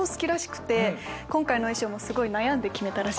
今回の衣装もすごい悩んで決めたらしいです。